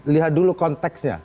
lihat dulu konteksnya